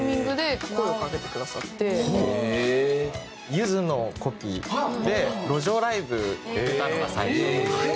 ゆずのコピーで路上ライブ出たのが最初。